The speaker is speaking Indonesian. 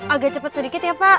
agak cepat sedikit ya pak